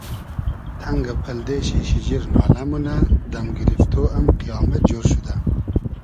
تئنگۂ پئلدې شی شیجیر نالۂ مونۂ دئم گیریفتۉ ام قپامئد جۉر شودۂ